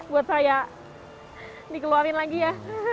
buat saya dikeluarin lagi ya